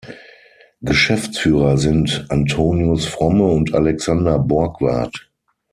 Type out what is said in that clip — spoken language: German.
Geschäftsführer sind Antonius Fromme und Alexander Borgwardt.